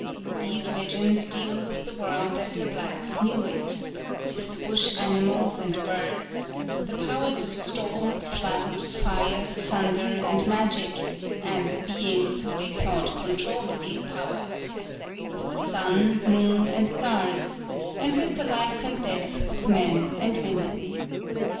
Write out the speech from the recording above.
These legends deal with the world as the blacks knew it ; with the Bush animals and birds ; the powers of storm, flood, fire, thunder, and magic, and the beings who they thought controlled these powers ; with the sun, moon and stars ; and with the life and death of men and women.